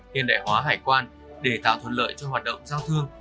hiện đại hóa hải quan để tạo thuận lợi cho hoạt động giao thương